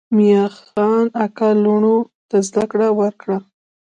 میاخان اکا لوڼو ته زده کړه ورکړه.